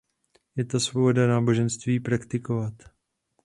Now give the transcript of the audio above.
Je to svoboda náboženství praktikovat.